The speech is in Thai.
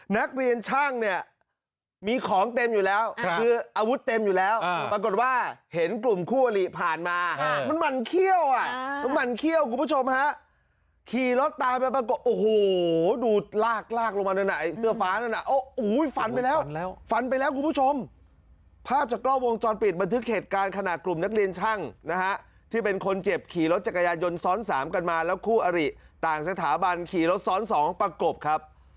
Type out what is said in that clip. นักเรียนช่างเนี่ยมีของเต็มอยู่แล้วคืออาวุธเต็มอยู่แล้วปรากฏว่าเห็นกลุ่มคู่อรีผ่านมามันบันเคี่ยวอ่ะมันบันเคี่ยวคุณผู้ชมฮะขี่รถตามไปปรากฏโอ้โหดูลากลากลงมาด้วยไหนเตือฟ้านั่นอ่ะโอ้โหฟนไปแล้วฟันไปแล้วคุณผู้ชมภาพจากกล้อวงจรปิดบันทึกเหตุการณ์ขณะกลุ่มนักเรียนช่างนะ